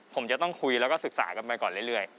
ผมจะต้องคุยแล้วก็ศึกษากันไปก่อนเรื่อย